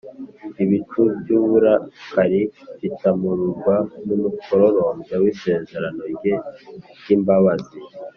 Ibicu by’uburakari bitamururwa n’umukororombya w’isezerano rye ry’imbabazi.